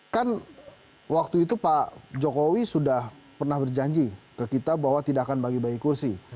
kan waktu itu pak jokowi sudah pernah berjanji ke kita bahwa tidak akan bagi bagi kursi